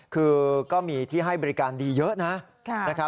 คือก็มีที่ให้บริการดีเยอะนะ